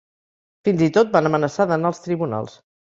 Fins i tot van amenaçar d’anar als tribunals.